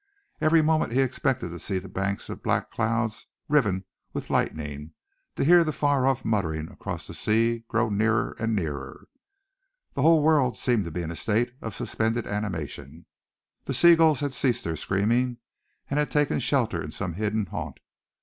Every moment he expected to see the banks of black clouds riven with lightning, to hear the far off muttering across the sea grow nearer and nearer. The whole world seemed to be in a state of suspended animation. The seagulls had ceased their screaming, and had taken shelter in some hidden haunt.